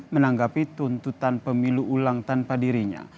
menanggapi tuntutan pemilu ulang tanpa dirinya